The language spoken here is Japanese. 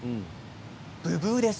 ブブーです。